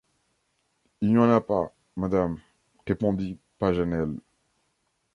Il n’y en a pas, Madame, répondit Paganel.